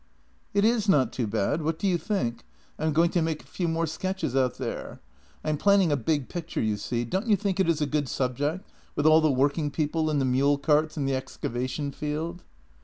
"" It is not too bad — what do you think? I am going to JENNY 49 make a few more sketches out there. I am planning a big pic ture, you see — don't you think it is a good subject, with all the working people and the mule carts in the excavation field?